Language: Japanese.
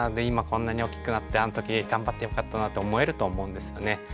今こんなに大きくなってあの時頑張ってよかったな」と思えると思うんですよね。